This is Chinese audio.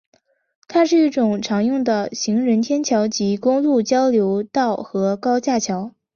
它是一种常用的行人天桥及公路交流道和高架桥。